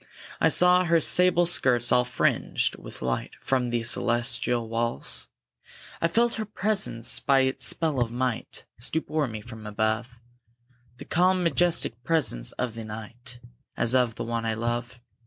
I saw her sable skirts all fringed with light From the celestial walls! I felt her presence, by its spell of might, Stoop o'er me from above; The calm, majestic presence of the Night, As of the one I love.